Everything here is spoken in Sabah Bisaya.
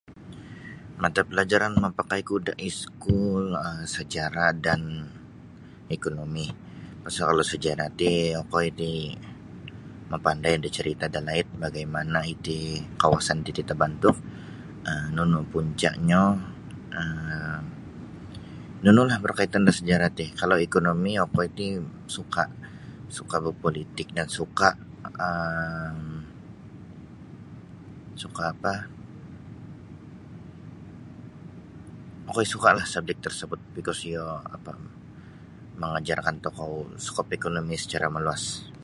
Mata palajaran mapakai ku da iskul um sajarah dan ekonomi pasal kalau sajarah ti okoi di mapandai da carita dalaid bagaimana iti kawasan titi tabantuk um nunu puncanyo um nunulah berkaitan da sajarah ti kalau ekonomi okoi ti suka suka bapolitik dan suka um suka apa okoi suka lah subjek tersebut bikos iyo mangajar da tokou skop ekonomi sacara maluas.